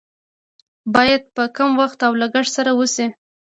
باید په کم وخت او لګښت سره وشي.